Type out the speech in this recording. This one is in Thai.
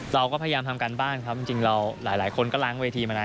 เราก็พยายามทำการบ้านครับจริงเราหลายคนก็ล้างเวทีมานาน